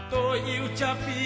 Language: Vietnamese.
tôi yêu cha pi